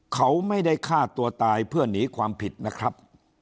เขาไม่ได้ฆ่าตัวตายเพื่อหนีความผิดนะครับ